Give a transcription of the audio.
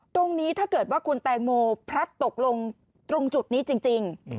ตรงนี้ถ้าเกิดว่าคุณแตงโมพลัดตกลงตรงจุดนี้จริง